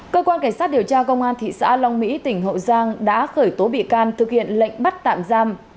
cơ quan cảnh sát điều tra công an thị xã long mỹ tỉnh hậu giang đã khởi tố bị can thực hiện lệnh bắt tạm giam